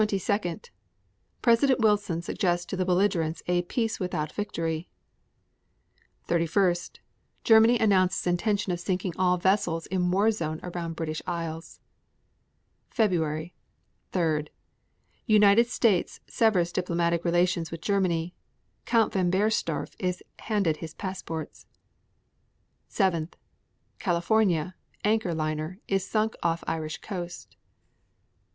President Wilson suggests to the belligerents a 'peace without victory.' 31. Germany announces intention of sinking all vessels in war zone around British Isles. February 3. United States severs diplomatic relations with Germany. Count Von Bernstorff is handed his passports. 7. California, Anchor liner, is sunk off Irish coast.